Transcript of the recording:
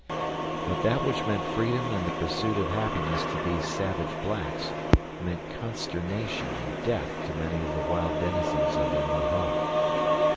But that which meant freedom and the pursuit of happiness to these savage blacks meant consternation and death to many of the wild denizens of their new home.